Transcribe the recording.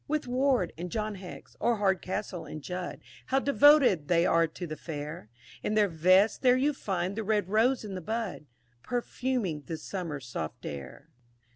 2. With Ward and John Hex, or Hardcastle and Judd, How devoted they are to the fair; In their vests there you find the red rose in the bud, Perfuming the Summer soft air.